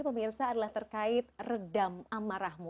pemirsa adalah terkait redam amarahmu